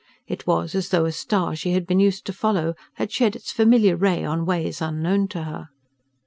It was as though a star she had been used to follow had shed its familiar ray on ways unknown to her.